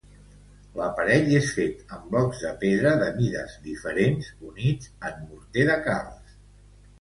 L'aparell és fet amb blocs de pedra de mides diferents units amb morter de calç.